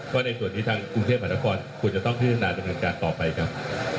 ก็ในส่วนนี้ทางกรุงเทพมหานครควรจะต้องพิจารณาดำเนินการต่อไปครับ